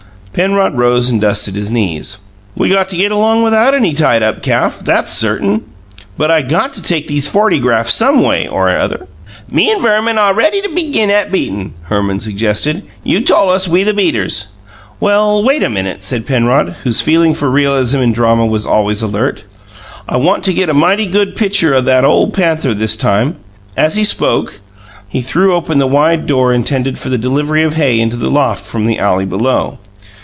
Penrod rose and dusted his knees. "We got to get along without any tied up calf that's certain! But I got to take those fortygraphs SOME way or other!" "Me an' Verman aw ready begin 'at beatin'," Herman suggested. "You tole us we the beaters." "Well, wait a minute," said Penrod, whose feeling for realism in drama was always alert. "I want to get a mighty good pitcher o' that ole panther this time." As he spoke, he threw open the wide door intended for the delivery of hay into the loft from the alley below.